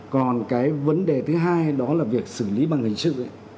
còn cái vấn đề thứ hai đó là việc xử lý bằng hình sự